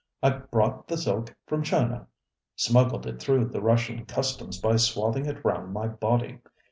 I brought the silk from ChinaŌĆösmuggled it through the Russian customs by swathing it round my body.